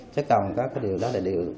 chứ còn có cái điều đó là điều